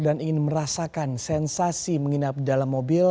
dan ingin merasakan sensasi menginap dalam mobil